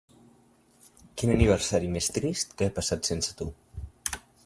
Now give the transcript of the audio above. Quin aniversari més trist que he passat sense tu.